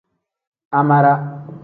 Amara.